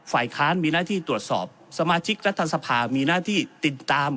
ฝ่ายค้านมีหน้าที่ตรวจสอบสมาชิกรัฐสภามีหน้าที่ติดตาม